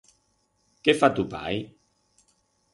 Qué fa tu pai?